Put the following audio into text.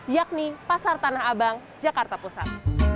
yakni pasar tanah abang jakarta pusat